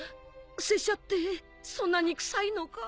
拙者ってそんなにくさいのか。